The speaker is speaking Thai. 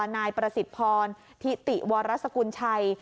นายประสิทธิพรทิติวรสกุลชัย